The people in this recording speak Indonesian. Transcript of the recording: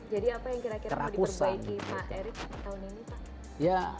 jadi apa yang kira kira mau diperbaiki pak erick tahun ini pak